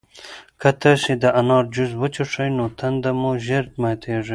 که تاسي د انار جوس وڅښئ نو تنده مو ژر ماتیږي.